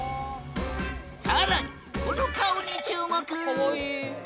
更にこの顔に注目！